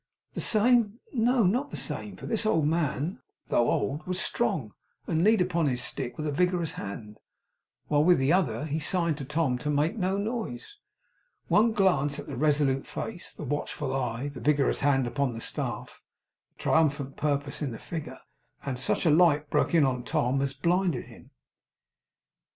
The same? No, not the same, for this old man, though old, was strong, and leaned upon his stick with a vigorous hand, while with the other he signed to Tom to make no noise. One glance at the resolute face, the watchful eye, the vigorous hand upon the staff, the triumphant purpose in the figure, and such a light broke in on Tom as blinded him.